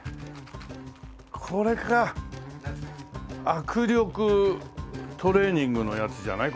握力トレーニングのやつじゃない？